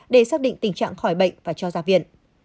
để xác định tình trạng khỏi bệnh và cho ra viện